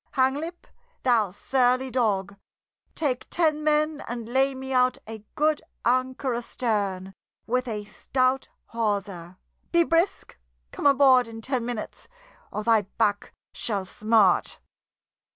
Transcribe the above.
Hanglip, thou surly dog! Take ten men and lay me out a good anchor astern, with a stout hawser. Be brisk! Come aboard in ten minutes, or thy back shall smart."